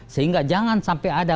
sehingga jangan sampai ada